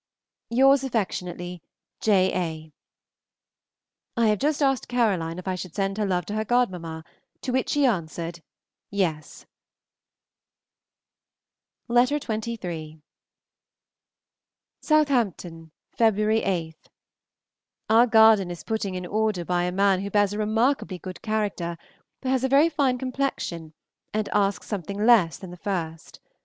Yours affectionately, J. A. I have just asked Caroline if I should send her love to her godmamma, to which she answered "Yes." Miss AUSTEN, Godmersham Park, Faversham, Kent. XXIII. SOUTHAMPTON, February 8. ... OUR garden is putting in order by a man who bears a remarkably good character, has a very fine complexion, and asks something less than the first.